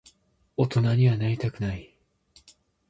大人にはなりたくない。